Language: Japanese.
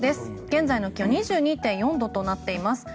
現在の気温２２．４度となっています。